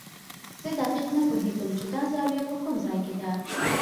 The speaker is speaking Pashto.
زه دقیق نه پوهېږم چې دا زاویه په کوم ځای کې ده.